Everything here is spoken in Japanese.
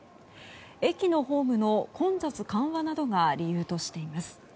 駅のホームの混雑緩和などが理由としています。